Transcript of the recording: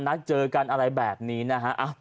นัดเจอกันอะไรแบบนี้นะฮะ